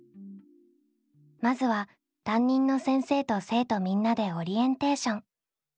まずは担任の先生と生徒みんなでオリエンテーション。